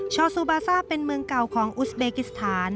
อซูบาซ่าเป็นเมืองเก่าของอุสเบกิสถาน